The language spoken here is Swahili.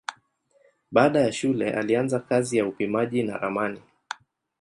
Baada ya shule alianza kazi ya upimaji na ramani.